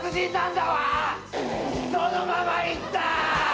そのままいった！